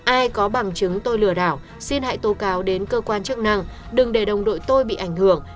ai có bằng chứng tôi lừa đảo xin hại tố cáo đến cơ quan chức năng đừng để đồng đội tôi bị ảnh hưởng